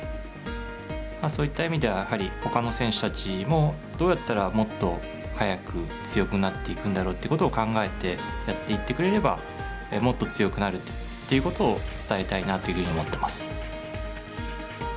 そういった意味ではやはり、ほかの選手たちもどうやったら、もっと早く強くなっていくんだろうっていうことを考えてやっていってくれればもっと強くなるっていうことを伝えたいなっていうふうに思っています。